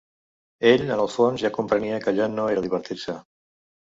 Ell, en el fons, ja comprenia que allò no era divertir-se